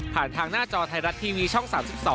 ผ่านทางหน้าจอไทรัตทีวีช่อง๓๒